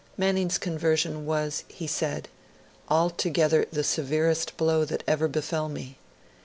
Manning's conversion was, he said, 'altogether the severest blow that ever befell me.